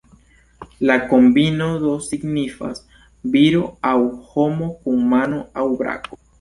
La kombino do signifas "Viro aŭ homo kun mano aŭ brako".